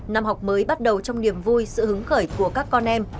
năm học mới bắt đầu trong niềm vui sự hứng khởi của các con em